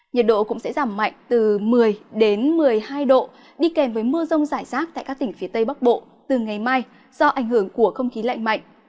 nhiệt độ cũng sẽ giảm mạnh từ một mươi đến một mươi hai độ đi kèm với mưa rông rải rác tại các tỉnh phía tây bắc bộ từ ngày mai do ảnh hưởng của không khí lạnh mạnh